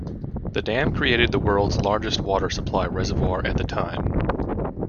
The dam created the world's largest water supply reservoir at the time.